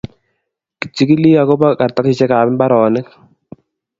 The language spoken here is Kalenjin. kichikili ako ba kartasishek ab imbaronik.